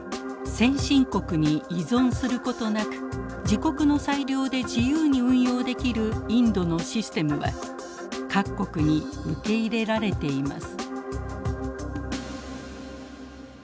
先進国に依存することなく自国の裁量で自由に運用できるインドのシステムは各国に受け入れられています。